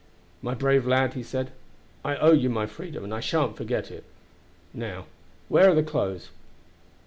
"My brave lad," he said, "I owe you my freedom, and I sha'n't forget it. Now, where are the clothes?"